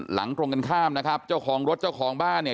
ตรงกันข้ามนะครับเจ้าของรถเจ้าของบ้านเนี่ย